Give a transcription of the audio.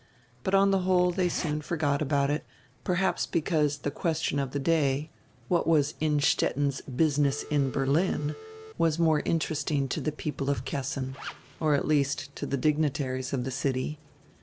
But on the whole they soon forgot about it, perhaps because the question of the day, "What was Innstetten's business in Berlin?" was more interesting to the people of Kessin, or at least to the dignitaries of the city.